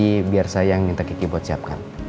ini biar saya yang minta kiki buat siapkan